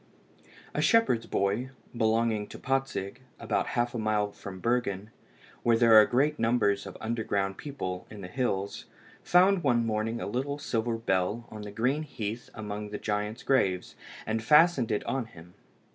A shepherd's boy, belonging to Patzig, about half a mile from Bergen, where there are great numbers of underground people in the hills, found one morning a little silver bell on the green heath among the giants' graves, and fastened it on him.